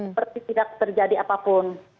seperti tidak terjadi apapun